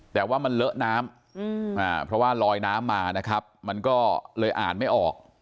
แต่ว่ามันเลอะน้ำเพราะว่าลอยน้ำมานะครับมันก็เลยอ่านไม่ออก